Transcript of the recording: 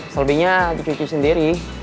selebihnya dicuci sendiri